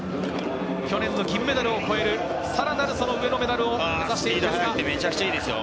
去年の銀メダルを超えるさらなるメダルを目指します。